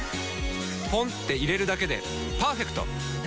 ポンって入れるだけでパーフェクト！